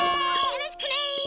よろしくね！